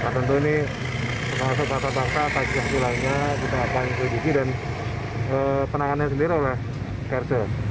jadi tentu ini masuk kata kata kata kata yang tulangnya kita apain sedikit dan penangannya sendiri oleh kersel